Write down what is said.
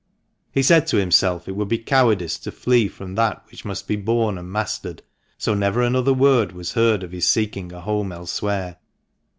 He said to himself it would be cowardice to flee from that which must be borne and mastered, so never another word was heard of his seeking a home elsewhere.